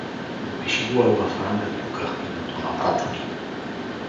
— Напиши го алафранга тука името на брата ми.